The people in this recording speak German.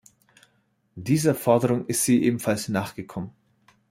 Dieser Forderung ist sie ebenfalls nachgekommen.